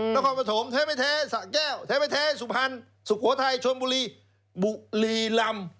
น้องความประถมแท้ไม่แท้สระแก้วแท้ไม่แท้สุพรรณสุโขทัยชวนบุรีลำ